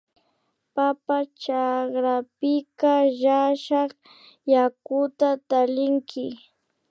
Papa chakrapika llashak yakuta tallinki